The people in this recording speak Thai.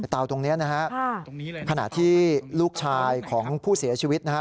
เตาตรงนี้นะฮะขณะที่ลูกชายของผู้เสียชีวิตนะครับ